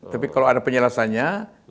tapi kalau ada penjelasannya